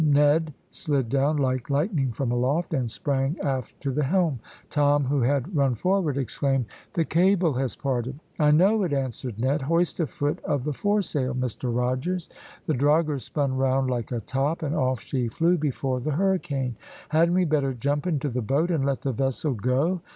Ned slid down like lightning from aloft, and sprang aft to the helm. Tom, who had run forward, exclaimed "The cable has parted!" "I know it," answered Ned. "Hoist a foot of the foresail, Mr Rogers." The drogher spun round like a top, and off she flew before the hurricane. "Hadn't we better jump into the boat, and let the vessel go?"